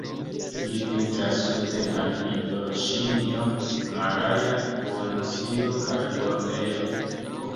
Ili vintras suden al Hindoĉinio, Malaja Duoninsulo kaj Borneo.